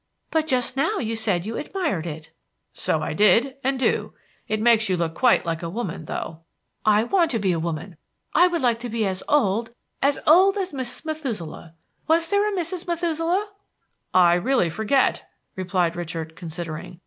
"But just now you said you admired it." "So I did, and do. It makes you look quite like a woman, though." "I want to be a woman. I would like to be as old as old as Mrs. Methuselah. Was there a Mrs. Methuselah?" "I really forget," replied Richard, considering.